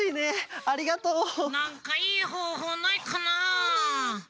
なんかいいほうほうないかな？